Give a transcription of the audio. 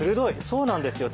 そうなんですよ。